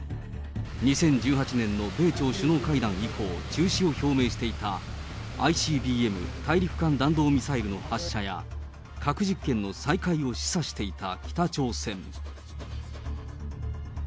２０１８年の米朝首脳会談以降、中止を表明していたＩＣＢＭ・大陸間弾道ミサイルの発射や、核実験の再開を示唆していた北朝鮮。